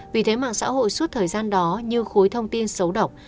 vì thế mạng xã hội suốt thời gian đó như khối thông tin xấu độc